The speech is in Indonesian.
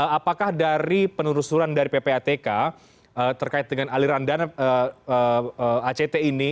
apakah dari penelusuran dari ppatk terkait dengan aliran dana act ini